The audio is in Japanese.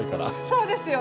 そうですよね。